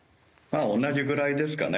同じぐらいですかね。